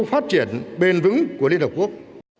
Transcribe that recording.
phát triển bền vững của liên hợp quốc